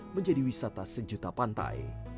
menjadi wisata sejuta pantai